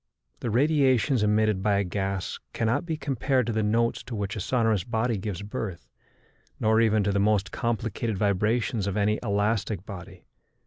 The radiations emitted by a gas cannot be compared to the notes to which a sonorous body gives birth, nor even to the most complicated vibrations of any elastic body.